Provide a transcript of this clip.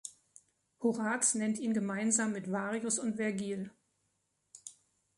Horaz nennt ihn gemeinsam mit Varius und Vergil.